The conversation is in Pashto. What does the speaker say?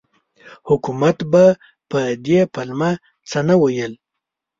حکومت به په دې پلمه څه نه ویل.